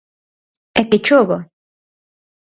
E que chova!